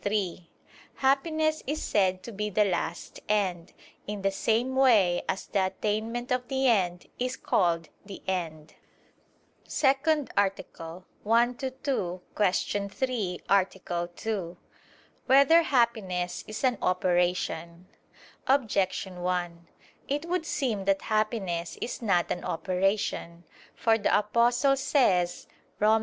3: Happiness is said to be the last end, in the same way as the attainment of the end is called the end. ________________________ SECOND ARTICLE [I II, Q. 3, Art. 2] Whether Happiness Is an Operation? Objection 1: It would seem that happiness is not an operation. For the Apostle says (Rom.